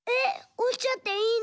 おっちゃっていいの？